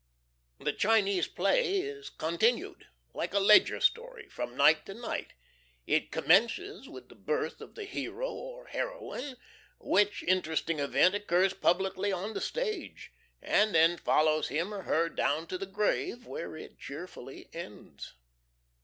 The Chinese play is "continued," like a Ledger story, from night to night. It commences with the birth of the hero or heroine, which interesting event occurs publicly on the stage; and then follows him or her down to the grave, where it cheerfully ends.